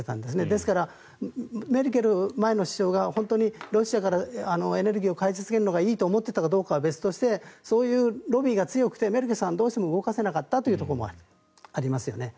ですから、メルケル前首相がロシアからエネルギーを買い続けるのがいいと思っていたかどうかは別としてそういうロビーが強くてメルケルさんはどうしても動かせなかったというところもありますよね。